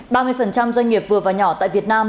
ba mươi doanh nghiệp vừa và nhỏ tại việt nam